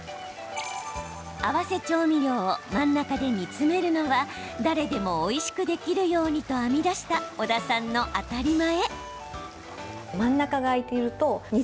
合わせ調味料を真ん中で煮詰めるのは誰でもおいしくできるようにと編み出した、小田さんの当たり前。